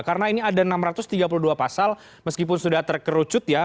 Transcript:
karena ini ada enam ratus tiga puluh dua pasal meskipun sudah terkerucut ya